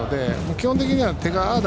基本的は、手がああだ